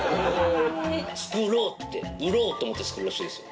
「作ろう！」って「売ろう！」って思って作るらしいですよ。